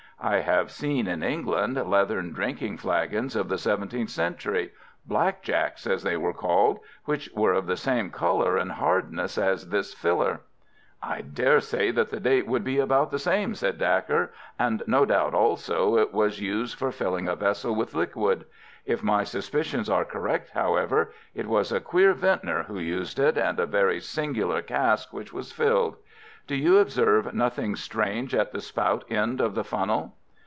"I have seen in England leathern drinking flagons of the seventeenth century—'black jacks' as they were called—which were of the same colour and hardness as this filler." "I dare say the date would be about the same," said Dacre, "and no doubt, also, it was used for filling a vessel with liquid. If my suspicions are correct, however, it was a queer vintner who used it, and a very singular cask which was filled. Do you observe nothing strange at the spout end of the funnel."